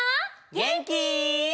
げんき？